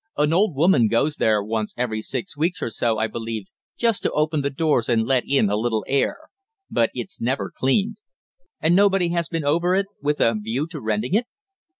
An old woman goes there once every six weeks or so, I believe, just to open the doors and let in a little air. But it's never cleaned." "And nobody has been over it with a view to renting it?"